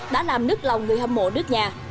đã làm nứt lòng người hâm mộ nước nhà